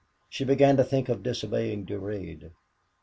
She began to think of disobeying Durade.